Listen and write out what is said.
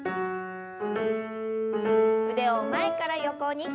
腕を前から横に。